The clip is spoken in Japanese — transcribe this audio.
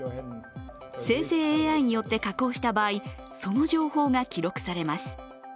生成ＡＩによって加工した場合その情報が記録されます。